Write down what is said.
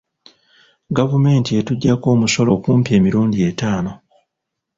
Gavumenti etuggyako omusolo kumpi emirundi etaano.